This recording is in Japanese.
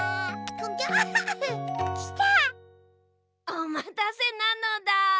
おまたせなのだ。